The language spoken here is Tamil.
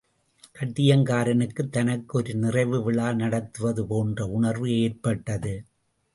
கட்டியங்காரனுக்குத் தனக்கு ஒரு நிறைவு விழா நடத்துவது போன்ற உணர்வு ஏற்பட்டது.